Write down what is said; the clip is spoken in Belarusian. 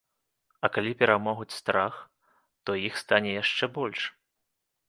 А калі перамогуць страх, то іх стане яшчэ больш.